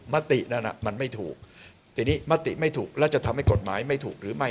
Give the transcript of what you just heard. มตินั้นมันไม่ถูกทีนี้มติไม่ถูกแล้วจะทำให้กฎหมายไม่ถูกหรือไม่